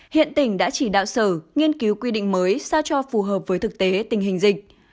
hiện tỉnh đã chỉ đạo sở nghiên cứu quy định mới sao cho phù hợp với thực tế tình hình dịch